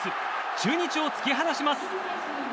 中日を突き放します。